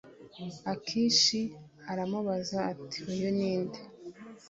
Akishi aramubaza ati uyu ni nde